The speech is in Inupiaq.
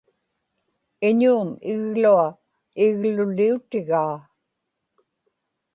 iñuum iglua igluliutigaa